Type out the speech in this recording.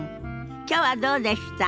きょうはどうでした？